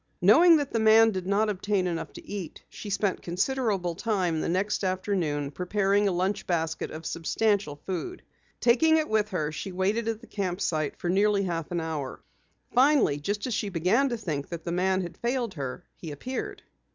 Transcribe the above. Knowing that the man did not obtain enough to eat, she spent considerable time the next afternoon preparing a lunch basket of substantial food. Taking it with her, she waited at the camp site for nearly a half hour. Finally, just as she began to think that the man had failed her, he appeared.